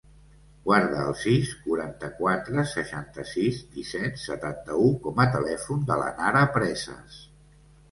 Guarda el sis, quaranta-quatre, seixanta-sis, disset, setanta-u com a telèfon de la Nara Presas.